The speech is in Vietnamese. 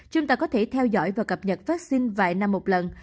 chúng ta có thể theo dõi và cập nhật vaccine vài năm một lần